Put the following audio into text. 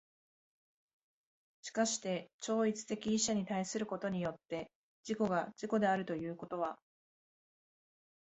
しかして超越的一者に対することによって自己が自己であるということは、